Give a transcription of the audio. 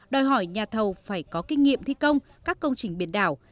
đòi hỏi nhà thầu phải có kinh nghiệm thi công các công trình biển đảo